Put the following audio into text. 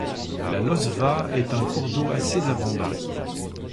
La Lozva est un cours d'eau assez abondant.